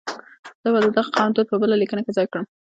زه به د دغه قوم دود په بله لیکنه کې ځای کړم.